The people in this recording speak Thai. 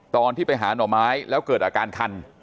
ตอนที่ไปหาหน่อไม้แล้วเกิดอาการคัน